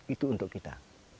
itu untuk kita